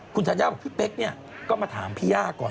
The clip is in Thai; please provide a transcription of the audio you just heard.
คุณธัญญาบอกพี่เป๊กเนี่ยก็มาถามพี่ย่าก่อน